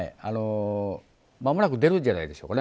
間もなく出るんじゃないでしょうかね。